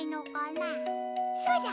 そうだ。